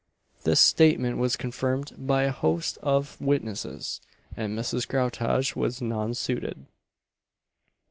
] This statement was confirmed by a host of witnesses, and Mrs. Groutage was nonsuited.